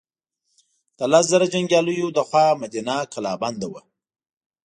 د لس زره جنګیالیو له خوا مدینه کلا بنده وه.